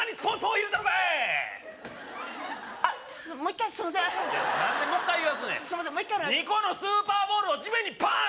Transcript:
もう一回２個のスーパーボールを地面にパン！